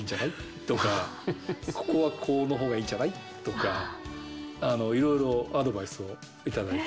「ここはこうの方がいいんじゃない？」とかいろいろアドバイスを頂いて。